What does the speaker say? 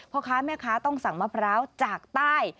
พ่อค้าแม่ค้าต้องสั่งมะพร้าวจากใต้